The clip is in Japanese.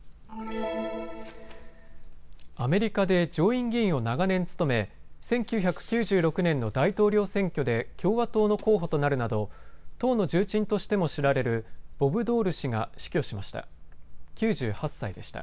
アメリカで上院議員を長年務め１９９６年の大統領選挙で共和党の候補となるなど党の重鎮としても知られるボブ・ドール氏が死去しました。